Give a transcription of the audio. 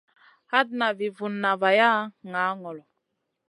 Hatna vi vunna vaya ŋaa ŋolo.